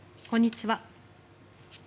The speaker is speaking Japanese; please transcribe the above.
こんにちは。